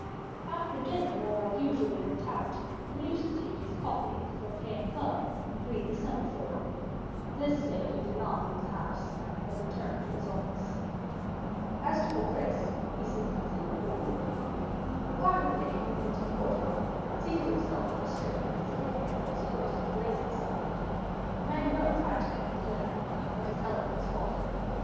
After dinner Morrel usually went out and used to take his coffee at the club of the Phocéens, and read the Semaphore; this day he did not leave the house, but returned to his office. As to Cocles, he seemed completely bewildered. For part of the day he went into the courtyard, seated himself on a stone with his head bare and exposed to the blazing sun. Emmanuel tried to comfort the women, but his eloquence faltered.